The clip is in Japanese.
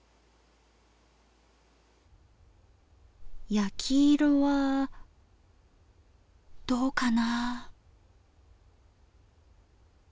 焼き色はどうかな？